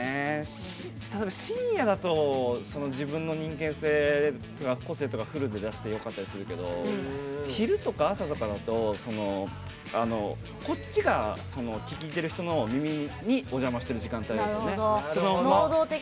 深夜だと自分の人間性とか個性とかフルで出していいけど昼とか朝とかだとこっちが聞いてる人の耳にお邪魔してる時間帯ですよね。